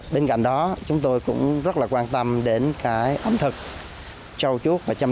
bên cạnh đó chúng tôi cũng rất là quan tâm đến cái ẩm thực